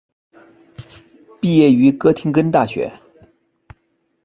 毕业于哥廷根大学。